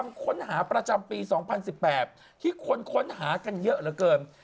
ค้นหาประจำปี๒๐๑๘ที่คนค้นหากันเยอะเหลือเกิน